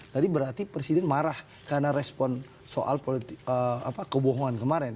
jadi berarti presiden marah karena respon soal kebohongan kemarin